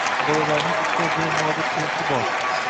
Bolalarning “ustoz”, deya murojaat qilishi bor.